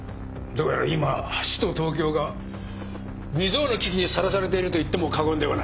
どうやら今首都東京が未曽有の危機にさらされていると言っても過言ではないようだ。